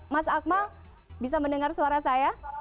mas akmal bisa mendengar suara saya